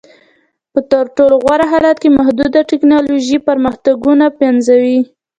په تر ټولو غوره حالت کې محدود ټکنالوژیکي پرمختګونه پنځوي